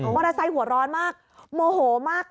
มอเตอร์ไซค์หัวร้อนมากโมโหมาก